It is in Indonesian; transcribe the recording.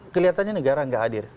kelihatannya negara tidak hadir